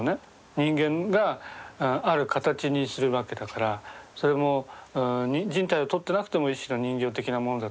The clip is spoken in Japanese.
人間がある形にするわけだからそれも人体をとってなくても一種の人形的なものだと思うんですよ。